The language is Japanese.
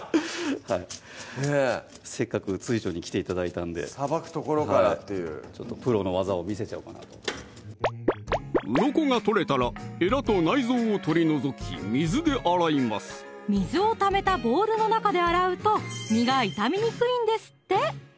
はいねぇせっかく調に来て頂いたんでさばくところからっていうちょっとプロの技を見せちゃおうかなとうろこが取れたらえらと内臓を取り除き水で洗います水を溜めたボウルの中で洗うと身が傷みにくいんですって